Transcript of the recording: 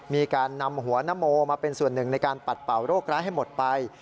มีการนำหัวนโมมาเป็นส่วนหนึ่งในการปัดเป่าโรคร้ายให้หมดไป